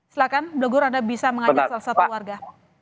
silahkan blegor anda bisa mengajak salah satu warga